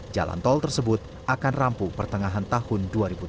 jalan tol tersebut akan rampung pertengahan tahun dua ribu tujuh belas